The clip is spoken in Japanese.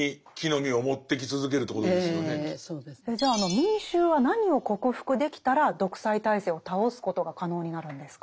民衆は何を克服できたら独裁体制を倒すことが可能になるんですか？